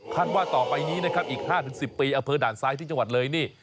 ว่าต่อไปนี้นะครับอีก๕๑๐ปีอำเภอด่านซ้ายที่จังหวัดเลยนี่